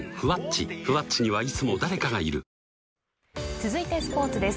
続いてスポ−ツです。